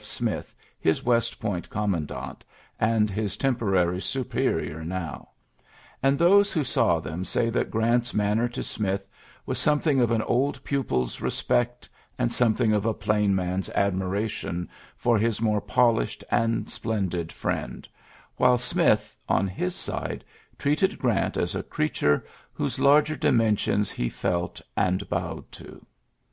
F. Smith, his West Point coiiimandant, and his temporary supe rior now ; aud those who saw them say that Grarnt's manner to Smith was some thing of an old pupil's respect and some thing of a plain man's admiration for his more polished and splendid friend, while Smith, on his side, treated Grant as a creature whose larger dimensions he felt and bowed to.